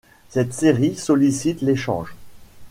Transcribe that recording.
Cette série sollicite l'échange.